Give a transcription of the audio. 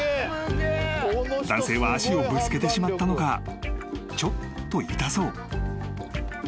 ［男性は足をぶつけてしまったのかちょっと痛そう］